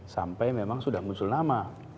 sampai memang sudah muncul nama